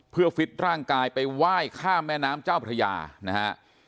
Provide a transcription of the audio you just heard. เพื่อฟิตร่างกายไปไหว้ข้ามแม่น้ำเจ้าพระยานะฮะ